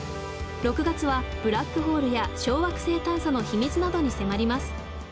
６月はブラックホールや小惑星探査の秘密などに迫ります。